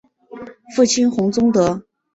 父亲洪宗德。